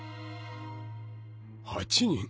８人！？